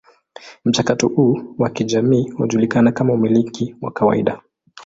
Mchakato huu wa kijamii hujulikana kama umiliki wa kawaida.